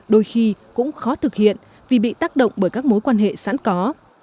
đôi khi cũng khó thực hiện vì bị tác động bởi các mối quan hệ sẵn có